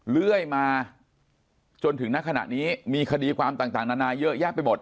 เรื่อยมาจนถึงณขณะนี้มีคดีความต่างนานาเยอะแยะไปหมด